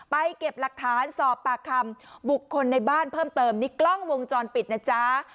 เก็บหลักฐานสอบปากคำบุคคลในบ้านเพิ่มเติมนี่กล้องวงจรปิดนะจ๊ะ